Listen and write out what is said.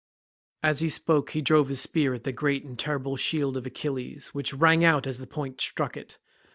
As he spoke he drove his spear at the great and terrible shield of Achilles, which rang out as the point struck it.